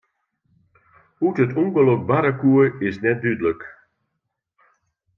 Hoe't it ûngelok barre koe, is net dúdlik.